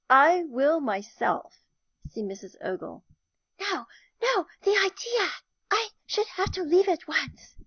"I will myself see Mrs. Ogle." "No, no! The idea! I should have to leave at once.